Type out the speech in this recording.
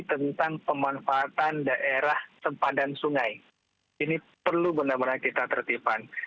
tentang pemanfaatan daerah sempadan sungai ini perlu benar benar kita tertipan